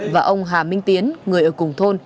và ông hà minh tiến người ở cùng thôn